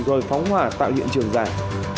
rồi phóng hỏa tạo hiện trường giải